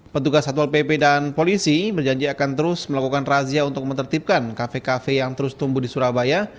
petugas satpol pp dan polisi berjanji akan terus melakukan razia untuk menertibkan kafe kafe yang terus tumbuh di surabaya